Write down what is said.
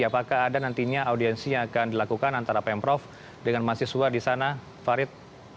apakah ada nantinya audiensi yang akan dilakukan antara pemprov dengan mahasiswa di sana farid